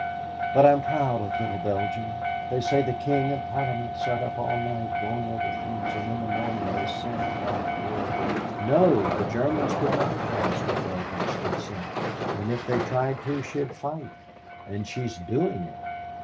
But I am proud of little Belgium. They say the king and parliament sat up all night going over things and in the morning they sent back word 'No, the Germans could not pass with Belgium's consent and if they tried to she'd fight,' and she's doing it!